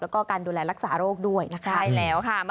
แล้วก็การดูแลรักษาโรคด้วยนะคะ